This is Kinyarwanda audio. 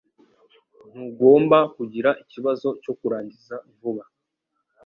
ntugomba kugira ikibazo cyo kurangiza vuba